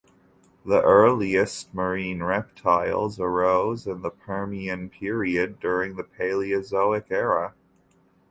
The earliest marine reptiles arose in the Permian period during the Paleozoic era.